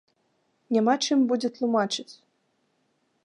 Няма чым будзе тлумачыць.